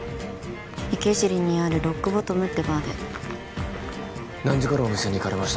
池尻にあるロックボトムってバーで何時頃お店に行かれました？